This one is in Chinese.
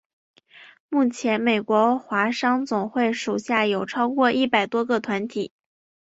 目前美国华商总会属下有超过一百多个团体。